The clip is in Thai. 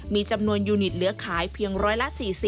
มีจำนวนยูนิตเลือดขายเพียงร้อยละ๔๐